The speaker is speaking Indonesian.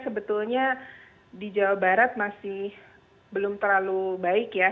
sebetulnya di jawa barat masih belum terlalu baik ya